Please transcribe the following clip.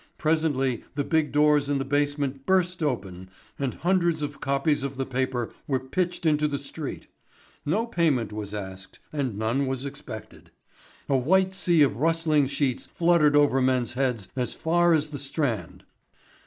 Presently the big doors in the basement burst open and hundreds of copies of the paper were pitched into the street. No payment was asked and none was expected. A white sea of rustling sheets fluttered over men's heads as far as the Strand.